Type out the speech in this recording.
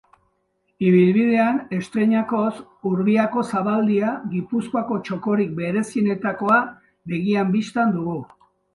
Ibilbidean estreinakoz, Urbiako zabaldia, Gipuzkoako txokorik berezienetakoa, begien bistan dugu.